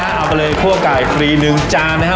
เอามาเลยพวกไก่ฟรี๑จานนะฮะ